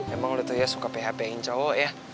emang lo tuh ya suka php in cowok ya